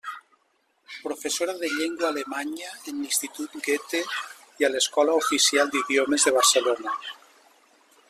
Professora de llengua alemanya en l'Institut Goethe i a l'Escola Oficial d'Idiomes de Barcelona.